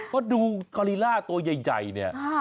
เพราะดูกอลิล่าตัวใหญ่เนี่ย